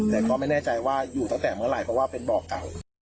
แต่ก็ไม่แน่ใจว่าอยู่ตั้งแต่เมื่อไหร่เพราะว่าเป็นบ่อเก่า